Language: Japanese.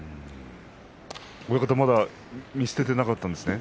親方まだ見捨てていなかったんですね。